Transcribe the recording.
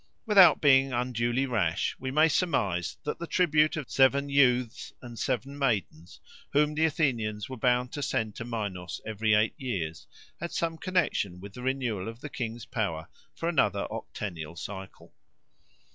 Without being unduly rash we may surmise that the tribute of seven youths and seven maidens whom the Athenians were bound to send to Minos every eight years had some connexion with the renewal of the king's power for another octennial cycle.